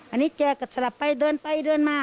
อันนี้แกก็สลับไปเดินไปเดินมา